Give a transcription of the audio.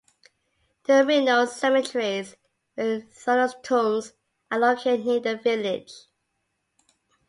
Two Minoan cemeteries with tholos tombs are located near the village.